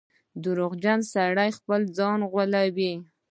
• دروغجن سړی خپل ځان غولوي.